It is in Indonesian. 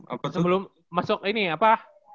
apa tuh sebelum masuk ini apa